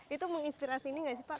itu menginspirasi ini nggak sih pak